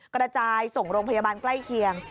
กระจายส่งโรงพยาบาลใกล้เคียง